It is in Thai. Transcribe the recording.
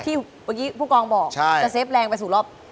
เมื่อกี้ผู้กองบอกจะเซฟแรงไปสู่รอบ